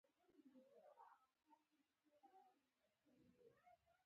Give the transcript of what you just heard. غازې امان الله خان د افغانستان د خپلواکۍ اتل دی .